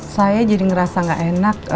saya jadi ngerasa gak enak